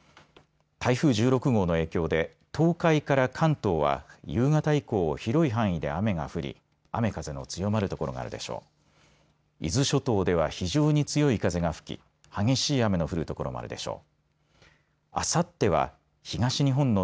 台風１６号の影響で東海から関東は夕方以降、広い範囲で雨が降り雨風の強まる所があるでしょう。